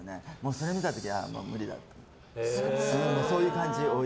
それを見た時、ああ無理だって。